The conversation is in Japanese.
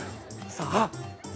さああっ